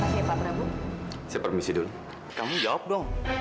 saya permisi dulu kamu jawab dong